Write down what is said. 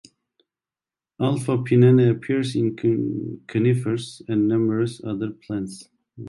Alpha-pinene appears in conifers and numerous other plants.